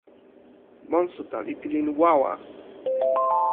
monsuta li pilin wawa!